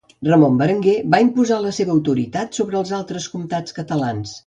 Ramon Berenguer va imposar la seva autoritat sobre els altres comtats catalans.